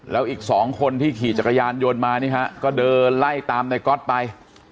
แล้วอีกสองคนที่ขี่จักรยานยนต์มานี่ฮะก็เดินไล่ตามในก๊อตไป